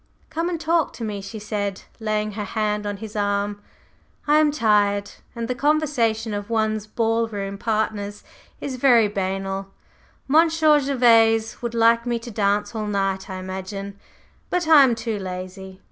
"Come and talk to me," she said, laying her hand on his arm; "I am tired, and the conversation of one's ball room partners is very banal. Monsieur Gervase would like me to dance all night, I imagine; but I am too lazy.